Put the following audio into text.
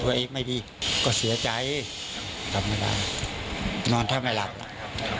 ตัวเองไม่ดีก็เสียใจตอนมากตัวไหร่นอนท่าไม่หลับครับ